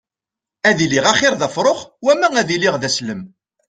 Ad iliɣ axiṛ d afṛux wama ad iliɣ d islem.